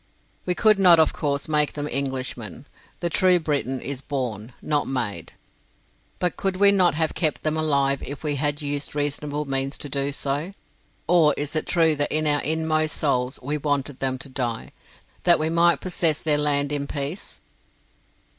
We could not, of course, make them Englishmen the true Briton is born, not made; but could we not have kept them alive if we had used reasonable means to do so? Or is it true that in our inmost souls we wanted them to die, that we might possess their land in peace?